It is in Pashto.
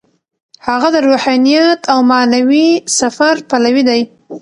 هغه د روحانیت او معنوي سفر پلوی دی.